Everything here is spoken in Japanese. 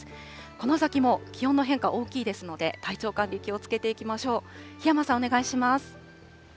この先も気温の変化大きいですので、体調管理、気をつけていきましょう。